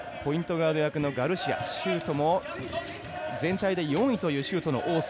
ガード役のガルシアシュートも全体で４位というシュートの多さ。